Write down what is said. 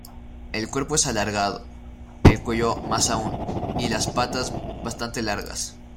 El cuerpo es alargado, el cuello más aún, y las patas bastante largas.